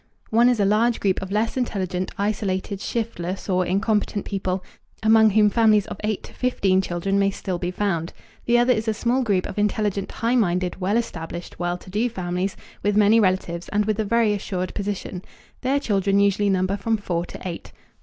One is a large group of less intelligent, isolated, shiftless, or incompetent people, among whom families of eight to fifteen children may still be found. The other is a small group of intelligent, high minded, well established, well to do families with many relatives and with a very assured position. Their children usually number from four to eight.